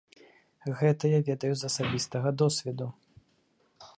Гэта я ведаю з асабістага досведу.